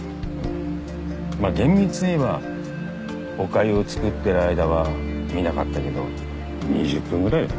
まっ厳密に言えばおかゆを作ってる間は見なかったけど２０分ぐらいよ。